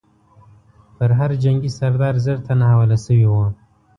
پر هر جنګي سردار زر تنه حواله شوي وو.